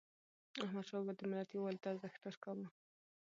احمدشاه بابا د ملت یووالي ته ارزښت ورکاوه.